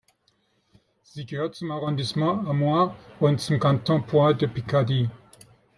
Sie gehört zum Arrondissement Amiens und zum Kanton Poix-de-Picardie.